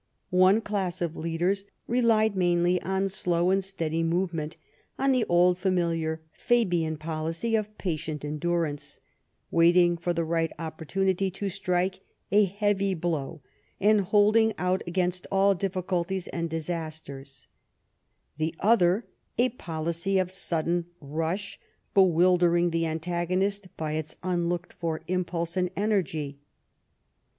One class of leaders relied mainly on slow and steady movement, on the old familiar Fabian policy of patient endurance, waiting for the right opportunity to strike a heavy blow, and holding out against all difiiculties and dis asters; the other a policy of sudden rush, bewildering the antagonist by its unlooked for impulse and energy.